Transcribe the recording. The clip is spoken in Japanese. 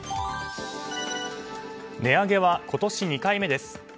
値上げは今年２回目です。